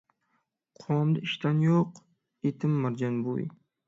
قوڭۇمدا ئىشتان يوق، ئېتىم مارجان بۈۋى.